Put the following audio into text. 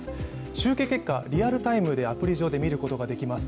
集計結果、リアルタイムでアプリ上で見ることができます。